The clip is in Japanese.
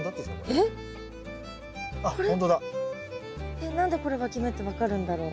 えっ何でこれわき芽って分かるんだろう？